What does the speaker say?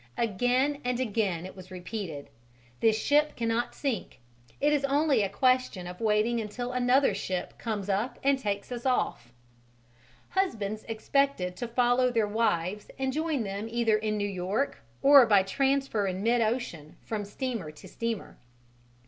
Again and again was it repeated, "This ship cannot sink; it is only a question of waiting until another ship comes up and takes us off." Husbands expected to follow their wives and join them either in New York or by transfer in mid ocean from steamer to steamer.